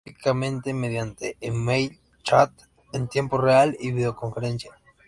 Estos servicios se ofrecen típicamente mediante email, chat en tiempo real y videoconferencia.